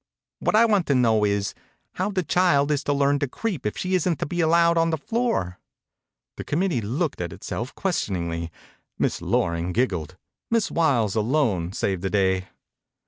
What I want to know is, how the child is to learn to creep if she isn't to be allowed on the floor." The committee looked at it self questioningly. Miss Loring giggled. Miss Wiles alone saved the, day.